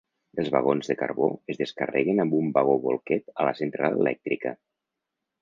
Els vagons de carbó es descarreguen amb un vagó bolquet a la central elèctrica.